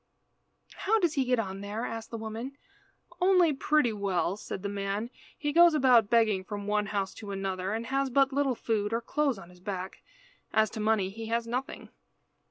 "How does he get on there?" asked the woman. "Only pretty well," said the man. "He goes about begging from one house to another, and has but little food, or clothes on his back. As to money he has nothing."